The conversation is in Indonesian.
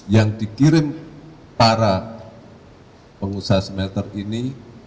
yang dikirim para pengusaha smelter ini